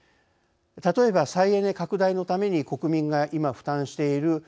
例えば再エネ拡大のために国民がいま負担している賦課金